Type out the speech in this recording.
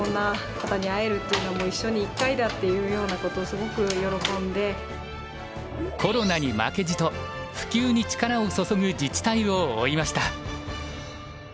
お子さんがコロナに負けじと普及に力をそそぐ自治体を追いました。